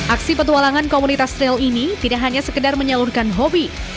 aksi petualangan komunitas trail ini tidak hanya sekedar menyalurkan hobi